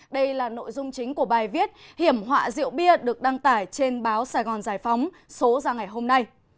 đây là nội dung chính của bài viết hiểm họa rượu bia được đăng tải trên báo sài gòn giải phóng số ra ngày hôm nay